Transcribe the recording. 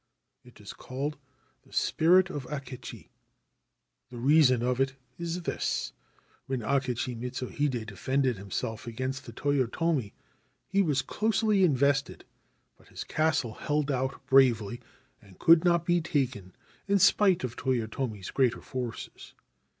It is called the spirit of Akechi. 'The reason of it is this. When Akechi Mitsuhide defended himself against the Toyotomi, he was closely invested ; but his castle held out bravely, and could not be taken in spite of Toyotomi's greater forces.